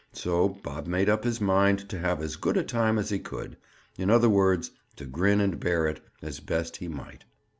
So Bob made up his mind to have as good a time as he could; in other words, to grin and bear it, as best he might.